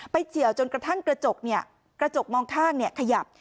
ไปเฉียวจนกระทั่งกระจกเนี่ยกระจกมองข้างเนี่ยขยับ